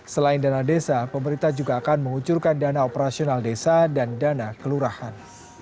selain dana desa pemerintah juga akan mengucurkan dana operasional desa dan dana kelurahan